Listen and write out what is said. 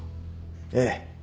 ええ。